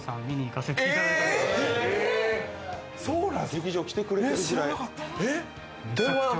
劇場来てくれているぐらい。